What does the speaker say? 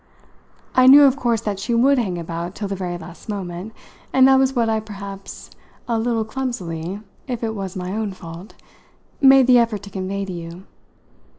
I knew of course that she would hang about till the very last moment, and that was what I perhaps a little clumsily if it was my own fault! made the effort to convey to you.